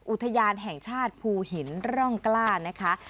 อุทยานแห่งชาติภูหินร่องกล้านะคะ